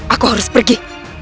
aku harus pergi